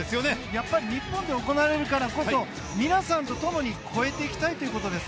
やっぱり、日本で行われるからこそ皆さんと共に超えていきたいんです。